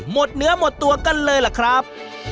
หมดเนื้อหมดตัวกันเลยล่ะครับ